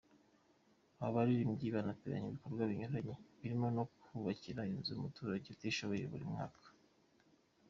Aba baririmbyi banateganya ibikorwa binyuranye birimo no kubakira inzu umuturage utishoboye buri mwaka.